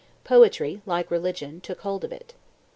Poetry, like religion, took hold of it.